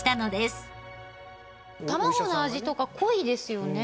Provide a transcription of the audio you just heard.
卵の味とか濃いですよね。